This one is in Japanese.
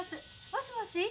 もしもし。